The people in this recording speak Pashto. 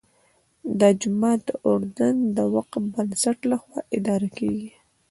دا جومات د اردن د وقف بنسټ لخوا اداره کېږي.